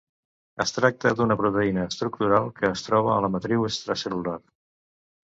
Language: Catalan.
Es tracta d'una proteïna estructural que es troba a la matriu extracel·lular.